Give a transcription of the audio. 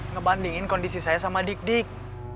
ngebandingin kondisi saya sama dik dik